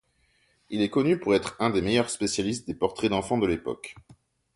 Il est connu pour être un des meilleurs spécialistes des portraits d'enfants de l'époque.